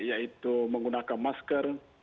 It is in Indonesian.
yaitu menggunakan masker